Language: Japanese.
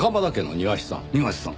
庭師さん。